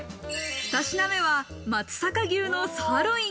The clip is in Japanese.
２品目は松阪牛のサーロイン。